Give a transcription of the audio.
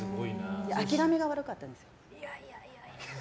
諦めが悪かったんです。